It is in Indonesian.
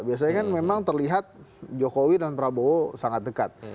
biasanya kan memang terlihat jokowi dan prabowo sangat dekat